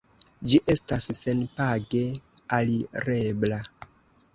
Ĝi estas senpage alirebla.